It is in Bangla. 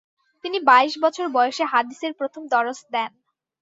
তিনি বাইশ বছর বয়সে হাদিসের প্রথম দরস দেন।